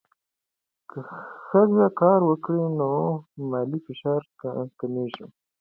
که ښځه کار وکړي، نو مالي فشار کمېږي.